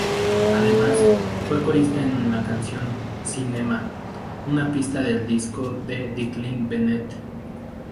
Además, fue corista en la canción "Cinema", una pista del disco de Declan Bennett.